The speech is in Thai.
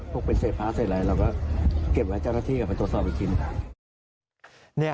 พวกเป็นเสพพ้าเสพอะไรเราก็เก็บไว้เจ้าหน้าที่กันเป็นตัวสวะไปกิน